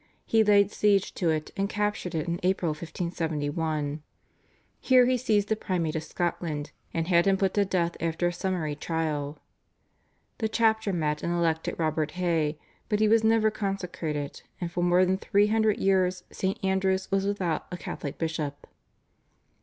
He laid siege to it, and captured it in April 1571. Here he seized the Primate of Scotland, and had him put to death after a summary trial. The chapter met and elected Robert Hay, but he was never consecrated, and for more than three hundred years St. Andrew's was without a Catholic bishop.